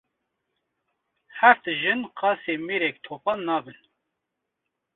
Heft jin qasê mêrek topal nabin